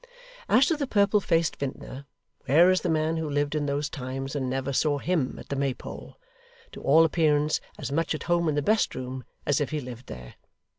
As to the purple faced vintner, where is the man who lived in those times and never saw HIM at the Maypole: to all appearance as much at home in the best room, as if he lived there?